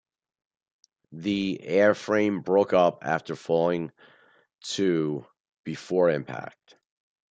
The airframe broke up after falling to before impact.